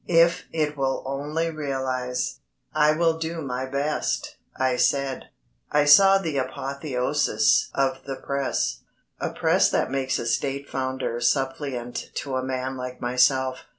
If it will only realise." "I will do my best," I said. I saw the apotheosis of the Press a Press that makes a State Founder suppliant to a man like myself.